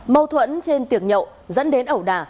mâu thuẫn trên tiệc nhậu dẫn đến ẩu đà